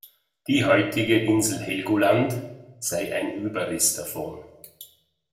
Die heutige Insel Helgoland sei ein Überrest davon.